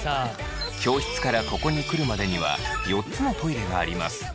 教室からここに来るまでには４つのトイレがあります。